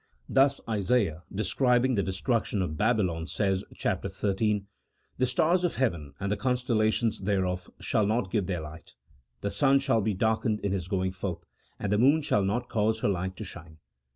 Thus Isaiah, describing the destruction of Babylon, says (chap, xiii.) :" The stars of heaven, and the constellations thereof, shall not give their light ; the sun shall be dar kened in his going forth, and the moon shall not cause her light to shine."